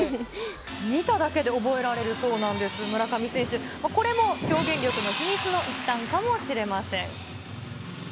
見ただけで覚えられるそうなんです、村上選手、これも表現力の秘密の一端かもしれません。